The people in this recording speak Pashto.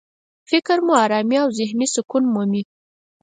فکر مو ارامي او ذهني سکون مومي.